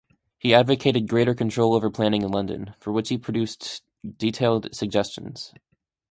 He advocated greater control over planning in London, for which he produced detailed suggestions.